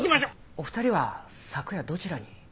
お二人は昨夜どちらに？